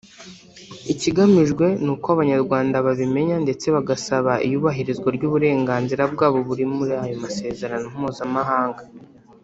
Ikigamijwe ni uko Abanyarwanda babimenya ndetse bagasaba iyubahirizwa ry’uburenganzira bwabo buri muri ayo masezerano mpuzamahanga